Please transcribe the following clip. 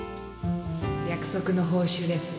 約束の報酬です。